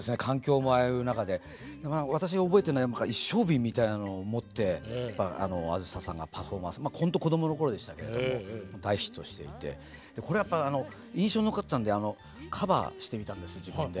私が覚えてるのは一升瓶みたいなのを持って梓さんがパフォーマンスほんと子供の頃でしたけれども大ヒットしていてこれやっぱ印象残ってたんでカバーしてみたんです自分で。